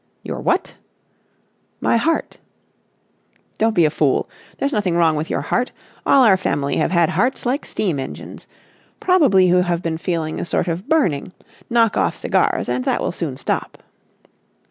"Your what?" "My heart." "Don't be a fool. There's nothing wrong with your heart. All our family have had hearts like steam engines. Probably you have been feeling a sort of burning. Knock off cigars and that will soon stop."